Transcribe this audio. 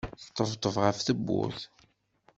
Sṭebṭeb ɣef tewwurt.